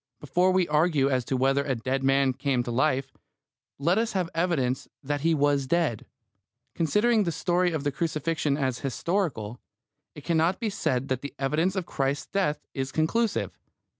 Before we argue as to whether a dead man came to life, let us have evidence that he was dead. Considering the story of the crucifixion as historical, it cannot be said that the evidence of Christ's death is conclusive.